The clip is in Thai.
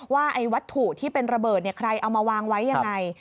ว่าไอ้วัตถุที่เป็นระเบิดใครเอามาวางไว้ยังไง